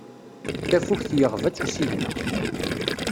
Tafukt yeɣba-tt usigna.